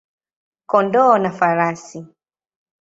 kondoo na farasi.